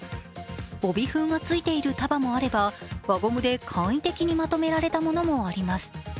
帯封がついている束もあれば、輪ゴムで簡易的にまとめられたものもあります。